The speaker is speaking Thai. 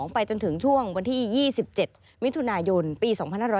ไปจนถึงช่วงวันที่๒๗มิถุนายนปี๒๕๖๐